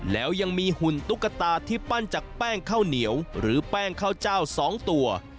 แล้วยังมีหุ่นตุ๊กตาที่ปั้นจากแป้งข้าวเหนียวหรือแป้งข้าวเจ้า๒ตัว